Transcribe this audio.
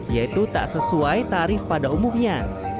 yaitu tak sesuai tarif pada umumnya